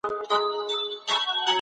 د عزت ساتني دپاره زغم ډېر مهم دی.